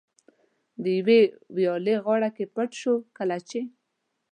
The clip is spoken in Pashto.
د یوې ویالې په غاړه کې پټ شو، کله چې.